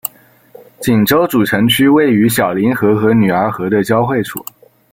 锦州主城区位于小凌河和女儿河的交汇处。